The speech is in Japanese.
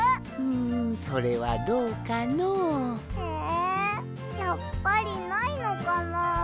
んそれはどうかの。えやっぱりないのかな。